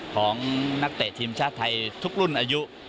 ของนักเตะทีมชาติไทยทุกรุ่นอายุ